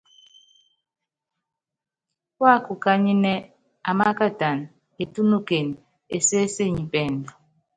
Púákukányínɛ́, amákatana, etúnukene, esésenyi pɛɛndu.